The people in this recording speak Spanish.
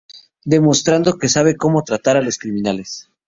demostrando que sabe cómo tratar a los criminales